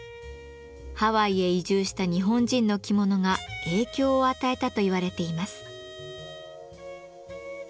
ハワイへ移住した日本人の着物が影響を与えたと言われています。